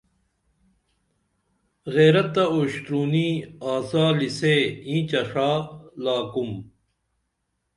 غیرت تہ اُشترونی آڅالی سے اینچہ ݜا لاکُم